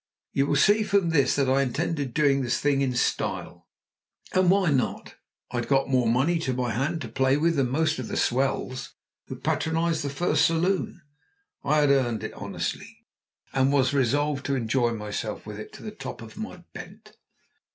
You will see from this that I intended doing the thing in style! And why not? I'd got more money to my hand to play with than most of the swells who patronize the first saloon; I had earned it honestly, and was resolved to enjoy myself with it to the top of my bent.